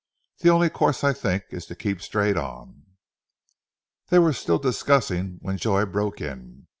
The only course, I think, is to keep straight on." They were still discussing when Joy broke in.